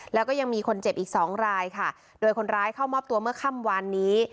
แล้วก็ยังมีคนเจ็บอีกสองรายค่ะโดยคนร้ายเข้ามอบตัวเมื่อค่ำวานนี้